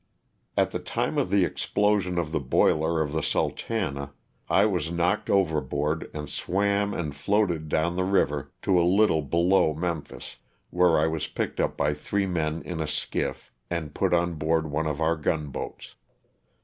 At the time of the explosion of the boiler of the *' Sultana'^ I was knocked overboard and swam and floated down the river to a little below Memphis, where I was picked up by three men in a skiff and put on board one of our gunboats.